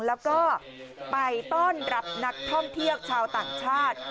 แล้วก็ไปต้อนรับนักท่องเที่ยวชาวต่างชาติ